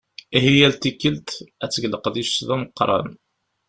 Ihi yal tikelt ad teg leqdic d ameqqran.